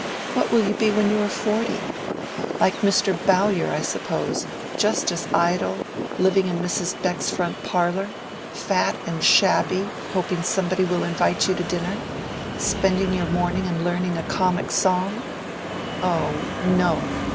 What will you be when you are forty? Like Mr. Bowyer, I suppose—just as idle, living in Mrs. Beck's front parlor—fat and shabby, hoping somebody will invite you to dinner—spending your morning in learning a comic song—oh no!